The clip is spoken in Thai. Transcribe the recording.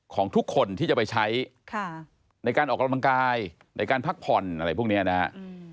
ของทุกคนที่จะไปใช้ในการออกกำลังกายในการพักผ่อนอะไรพวกนี้นะฮะ